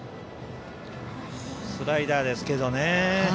スライダーですけどね。